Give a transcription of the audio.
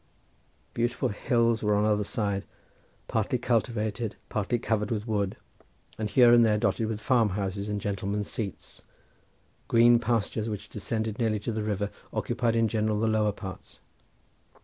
Beautiful hills were on either side, partly cultivated, partly covered with wood, and here and there dotted with farm houses and gentlemen's seats; green pastures which descended nearly to the river occupying in general the lower parts.